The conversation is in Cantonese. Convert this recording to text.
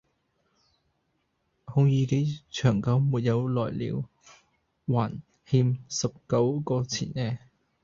孔乙己長久沒有來了。還欠十九個錢呢